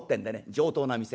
上等な店。